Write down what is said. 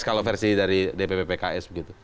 kalau versi dari dpp pks begitu